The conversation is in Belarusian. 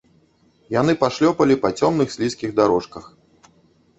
Яны пашлёпалі па цёмных слізкіх дарожках.